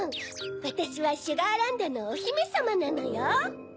わたしはシュガーランドのおひめさまなのよ！